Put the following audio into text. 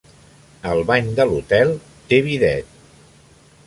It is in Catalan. El bany de l"hotel té bidet.